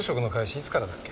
いつからだっけ？